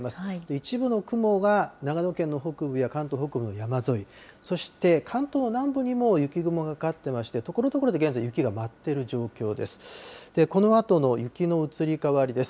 一部の雲が、長野県の北部や関東北部の山沿い、そして関東南部にも雪雲がかかっていまして、ところどころで現在、雪が舞っている状況です。